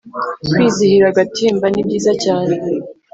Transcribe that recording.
kwizihira agatimba ni byiza cyane